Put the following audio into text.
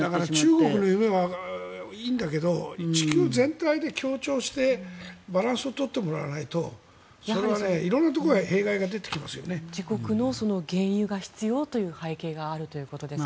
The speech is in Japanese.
中国の夢はいいんだけど地球全体で協調してバランスを取ってもらわないとそれは色んなところで自国の原油が必要という背景があるということですが。